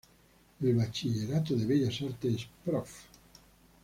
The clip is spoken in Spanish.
El Bachillerato de Bellas Artes "Prof.